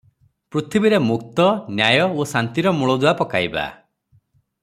ପୃଥିବୀରେ ମୁକ୍ତ, ନ୍ୟାୟ ଓ ଶାନ୍ତିର ମୂଳଦୁଆ ପକାଇବା ।